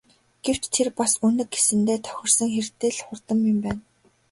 Гэвч тэр бас Үнэг гэсэндээ тохирсон хэрдээ л хурдан юм байна.